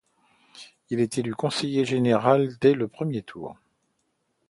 Il est élu conseiller général dès le premier tour.